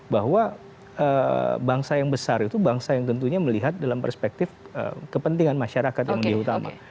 bahwa bangsa yang besar itu bangsa yang tentunya melihat dalam perspektif kepentingan masyarakat yang lebih utama